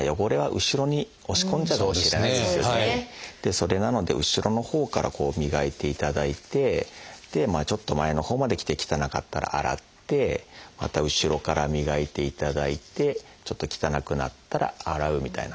それなので後ろのほうから磨いていただいてちょっと前のほうまで来て汚かったら洗ってまた後ろから磨いていただいてちょっと汚くなったら洗うみたいな。